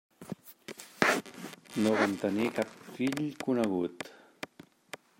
No van tenir cap fill conegut.